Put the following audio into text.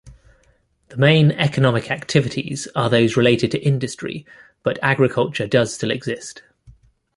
The main economic activities are those related to industry, but agriculture does still exist.